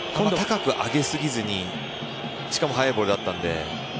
高く上げすぎずにしかも速いボールだったので。